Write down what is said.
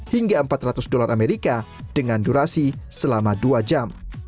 hingga empat ratus dolar amerika dengan durasi selama dua jam